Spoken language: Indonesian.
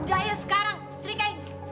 udah ayo sekarang setrikain